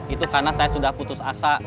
itu karena saya sudah putus asa